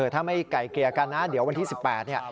ถ้าไม่ไกลเกลี่ยกันนะเดี๋ยววันที่๑๘เนี่ย